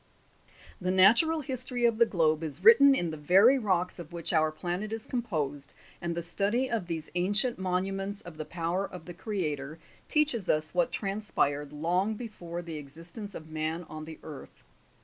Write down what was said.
7. The natural history of the globe is written in the very rocks of which our planet is composed, and the study of these ancient monuments of the power of the CREATOR teaches us what tran spired long before the existence of man on the earth.